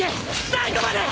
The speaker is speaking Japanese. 最後まで！